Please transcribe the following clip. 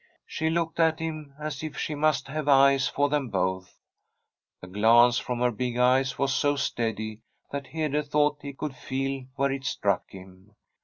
She looked at him, as if she must have eyes for them both. The glance from her big eyes was so steady that Hede thought he could feel where it struck him.